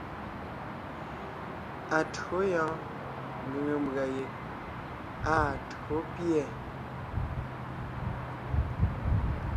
Atÿǒ yɔɔn ngʉ̀ŋe mbʉ̀a yeg áa tÿǒ pîɛ.